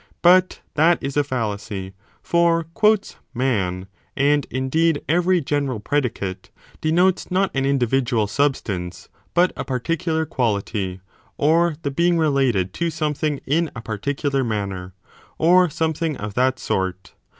But that is a fallacy, for Man , and indeed every general predicate, denotes not an individual substance, but a particular quality, or the being related to something in a particular manner :!, or something of that sort.